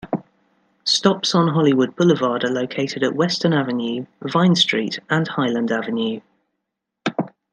Stops on Hollywood Boulevard are located at Western Avenue, Vine Street, and Highland Avenue.